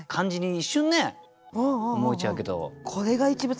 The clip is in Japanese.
一瞬ね思えちゃうけど。